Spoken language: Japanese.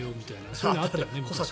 そういうの昔あったよね。